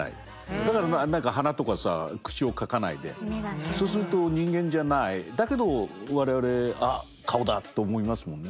だから何か鼻とかさ口を描かないでそうすると人間じゃないだけど我々あっ顔だと思いますもんね。